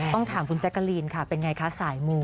ต้องถามคุณแจ๊กกะลีนค่ะเป็นไงคะสายมู